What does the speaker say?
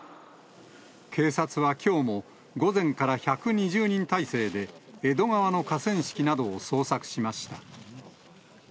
警察はきょうも、午前から１２０人態勢で、江戸川の河川敷などを捜索しました。